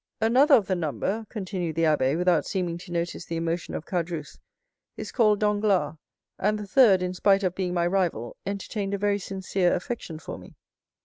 "'Another of the number,'" continued the abbé, without seeming to notice the emotion of Caderousse, "'is called Danglars; and the third, in spite of being my rival, entertained a very sincere affection for me.